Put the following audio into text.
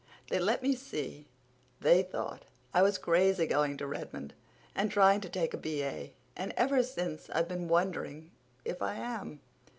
They let me see they thought I was crazy going to Redmond and trying to take a B.A., and ever since I've been wondering if I am.